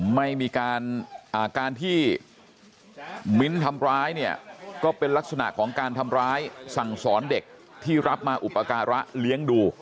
ไม่มีการการที่มิ้นท์ทำร้ายเนี่ยก็เป็นลักษณะของการทำร้ายสั่งสอนเด็กที่รับมาอุปการะเลี้ยงดู